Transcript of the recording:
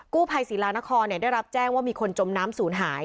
ภัยศิลานครได้รับแจ้งว่ามีคนจมน้ำศูนย์หาย